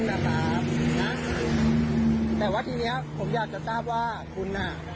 นะครับนะแต่ว่าทีเนี้ยผมอยากจะทราบว่าคุณอ่ะ